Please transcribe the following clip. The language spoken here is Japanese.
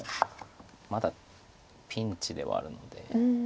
まだピンチではあるので。